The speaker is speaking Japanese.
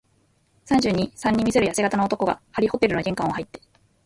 三十二、三に見えるやせ型の男が、張ホテルの玄関をはいって、